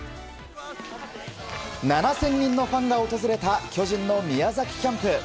７０００人のファンが訪れた巨人の宮崎キャンプ。